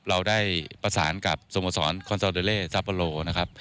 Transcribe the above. เราได้ประสานกับสโมสรคอนโซเดอเล่ซัปโปโลนะครับ